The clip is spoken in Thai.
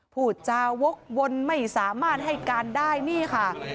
ผู้อุดชาวโว๊ควนไม่สามารถให้การได้นี่ค่ะ